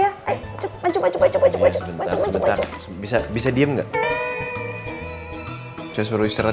ya udah mbak andin boleh duduk di besi rata